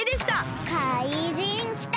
かいじんきた！